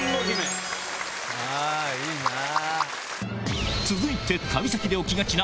いいなぁ。